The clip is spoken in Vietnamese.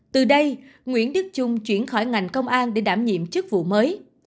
từ đây nguyễn đức trung chuyển khỏi ngành công an để đảm nhiệm chức vụ mới